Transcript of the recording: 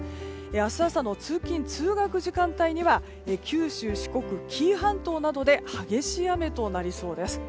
明日朝の通勤・通学時間帯には九州、四国、紀伊半島などで激しい雨となりそうです。